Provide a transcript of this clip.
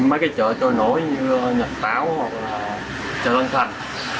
mấy cái chợ trôi nổi như nhật bảo hoặc là chợ lân thành